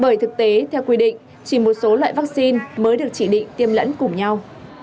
bởi thực tế theo quy định chỉ một số loại vaccine mới được chỉ định tiêm lẫn cùng nhau